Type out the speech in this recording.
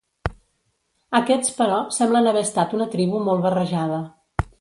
Aquests, però, semblen haver estat una tribu molt barrejada.